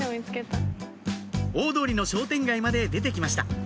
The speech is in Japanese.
大通りの商店街まで出て来ました